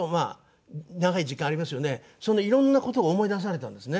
そのいろんな事が思い出されたんですね。